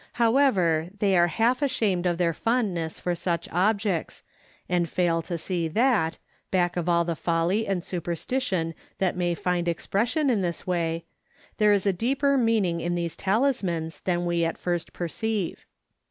However, they are half ashamed of their fondness for such objects, and fail to see that, back of all the folly and superstition that may find expression in this way, there is a deeper meaning in these talismans than we at first perceive.